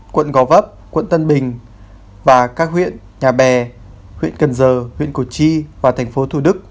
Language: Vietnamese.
quận gò vấp quận tân bình và các huyện nhà bè huyện cần giờ huyện củ chi và thành phố thủ đức